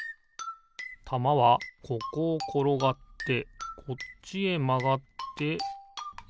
たまはここをころがってこっちへまがってえ？